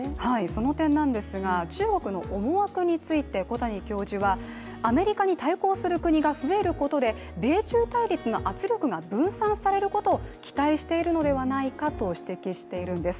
その点なんですが、中国の思惑について小谷教授はアメリカに対抗する国が増えることで、米中対立の圧力が分散されることを期待しているのではないかと指摘しているんです。